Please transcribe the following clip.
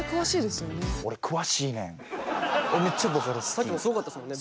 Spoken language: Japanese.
さっきもすごかったですもんね